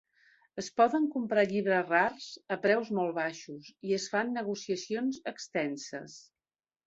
Es poden comprar llibres rars a preus molt baixos, i es fan negociacions extenses.